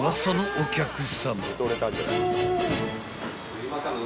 すいません